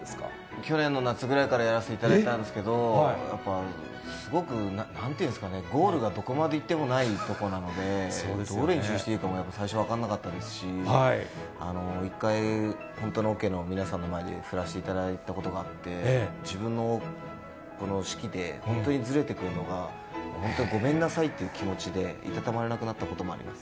去年の夏ぐらいからやらせていただいたんですけど、やっぱすごく、なんていうんですかね、ゴールがどこまで行ってもないことなので、どう練習していいかも最初、分かんなかったですし、一回、本当のオケの皆さんの前で振らしていただいたことがあって、自分の指揮で本当にずれていくのが、本当にごめんなさいっていう気持ちで、いたたまれなくなったこともあります。